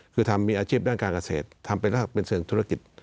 คือทำมีอาชีพด้านการเกษตรทำเป็นเชิงธุรกิจ